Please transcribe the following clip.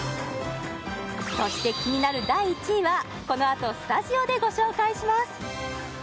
そして気になる第１位はこのあとスタジオでご紹介します！